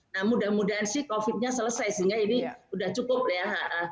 nah mudah mudahan sih covid nya selesai sehingga ini sudah cukup ya